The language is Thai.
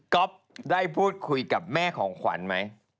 ได้พูดคุยกับแม่ของขวัญไหม